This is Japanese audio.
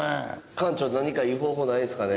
館長何かいい方法ないですかね？